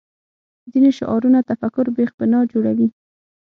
ځینې شعارونه تفکر بېخ بنا جوړوي